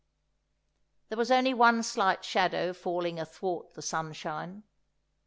There was only one slight shadow falling athwart the sunshine.